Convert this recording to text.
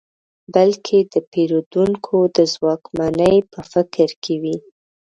بلکې د پېرودونکو د ځواکمنۍ په فکر کې وي.